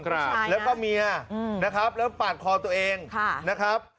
ครับแล้วก็เมียนะครับแล้วปาดคอตัวเองค่ะนะครับ